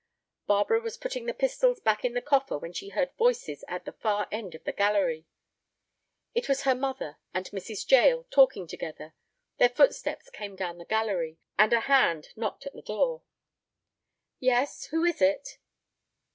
Barbara was putting the pistols back in the coffer when she heard voices at the far end of the gallery. It was her mother and Mrs. Jael talking together. Their footsteps came down the gallery, and a hand knocked at the door. "Yes. Who is it?"